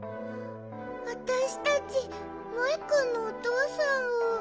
あたしたちモイくんのおとうさんを。